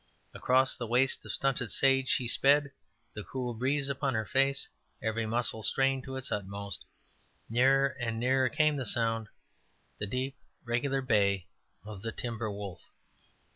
Across the waste of stunted sage she sped, the cool breeze upon her face, every muscle strained to its utmost. Nearer and nearer came the sound; the deep, regular bay of the timber wolf.